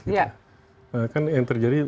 kita kan yang terjadi